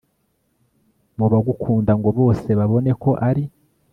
mubagukunda ngo bose babone ko ari